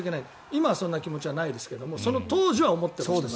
今はそんな気持ちないですけどその当時は思ってました。